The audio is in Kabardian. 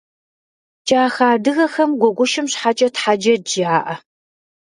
Кӏахэ адыгэхэм гуэгушым щхьэкӏэ тхьэджэд жаӏэ.